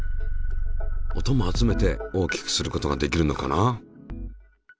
音も集めて大きくすることができるのかな？